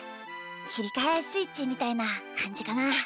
きりかえスイッチみたいなかんじかな。